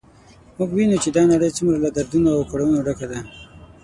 موږ وینو چې دا نړی څومره له دردونو او کړاوونو ډکه ده